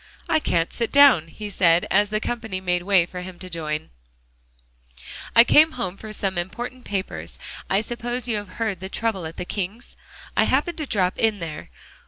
"I can't sit down," he said, as the company made way for him to join them. "I came home for some important papers. I suppose you have heard the trouble at the Kings? I happened to drop in there.